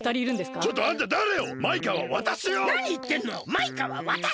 マイカはわたし！